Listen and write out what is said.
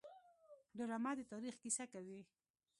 ډرامه د تاریخ کیسه کوي